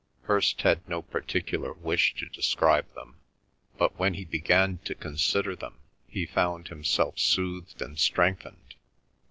Hirst had no particular wish to describe them, but when he began to consider them he found himself soothed and strengthened.